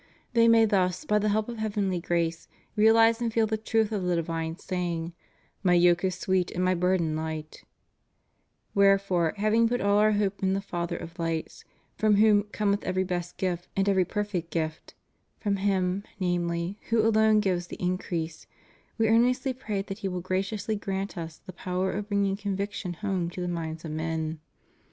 They may thus, by the help of heavenly grace, realize and feel the truth of the divine saying, My yoke is sweet and My burden lights Wherefore, having put all Our hope in the Father of lights, from whom cometh every best gift and every perfect gift ^— from Him, namely, who alone gives the increase ^— We earnestly pray that He will graciously grant Us the power of bringing conviction home to the minds of men.